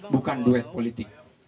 bukan duet politik